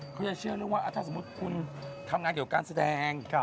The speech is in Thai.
เขาจะเชื่อเรื่องว่าถ้าสมมุติคุณทำงานเกี่ยวกับการแสดง